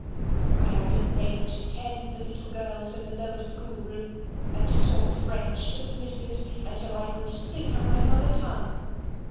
I have been made to tend the little girls in the lower schoolroom, and to talk French to the Misses, until I grew sick of my mother tongue.